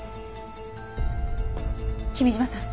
君嶋さん